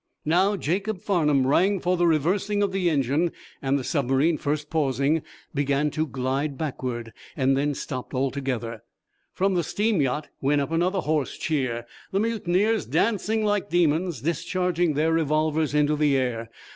Now Jacob Farnum rang for the reversing of the engine, and the submarine, first pausing, began to glide backward, then stopped altogether. From the steam yacht went up another hoarse cheer, the mutineers dancing like demons, discharging their revolvers into the air.